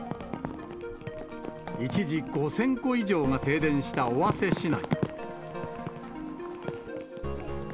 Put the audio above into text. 一時、５０００戸以上が停電した尾鷲市内。